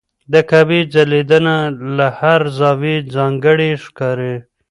د کعبې ځلېدنه له هر زاویې ځانګړې ښکاري.